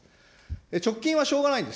直近はしょうがないんです。